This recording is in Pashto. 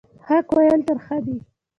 حق ویل ترخه دي